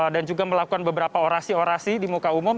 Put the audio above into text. dan juga melakukan beberapa orasi orasi di muka umum